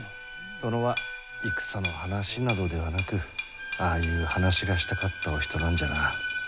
殿は戦の話などではなくああいう話がしたかったお人なんじゃな。